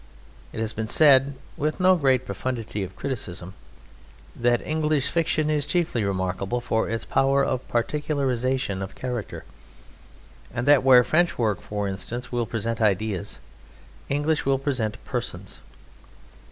It has been said (with no great profundity of criticism) that English fiction is chiefly remarkable for its power of particularization of character, and that where French work, for instance, will present ideas, English will present persons.